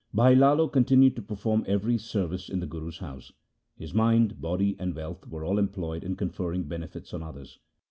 Bhai Lalo continued to perform every service in the Guru's house. His mind, body, and wealth were all employed in conferring benefits on others.